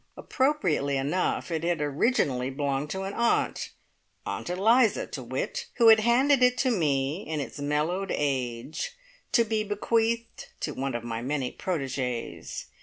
Appropriately enough, it had originally belonged to an aunt Aunt Eliza, to wit who had handed it to me in its mellowed age, to be bequeathed to one of my many protegees.